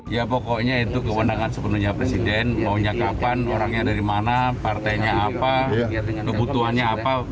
ya pokoknya itu kewenangan sepenuhnya presiden maunya kapan orangnya dari mana partainya apa kebutuhannya apa